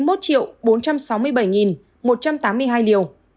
mũi bổ sung là một mươi năm liều